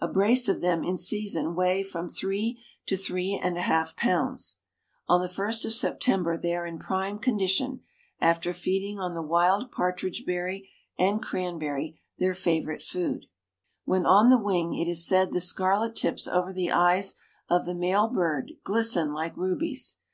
A brace of them in season weigh from three to three and a half pounds. On the first of September they are in prime condition, after feeding on the wild partridge berry and cranberry, their favorite food. When on the wing it is said the scarlet tips over the eyes of the male bird glisten like rubies.